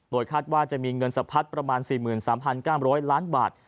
คาดว่าจะมีเงินสะพัดประมาณ๔๓๙๐๐ล้านบาท